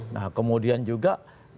nah kemudian juga